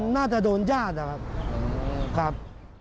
น่าจะโดนญาตินะครับ